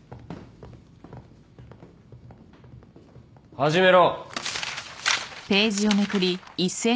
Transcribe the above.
始めろ。